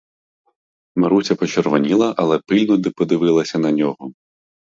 Маруся почервоніла, але пильно подивилася на його.